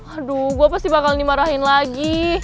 aduh gue pasti bakal dimarahin lagi